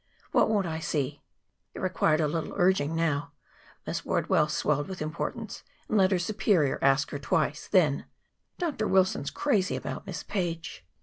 "What won't I see?" It required a little urging now. Miss Wardwell swelled with importance and let her superior ask her twice. Then: "Dr. Wilson's crazy about Miss Page."